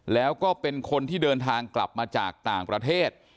แล้วก็เป็นคนที่เดินทางกลับมาจากต่างประเทศ